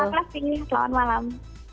terima kasih selamat malam